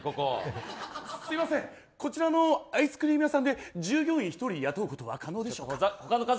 すみません、こちらのアイスクリーム屋さんで従業員１人雇うことはできないでしょうか？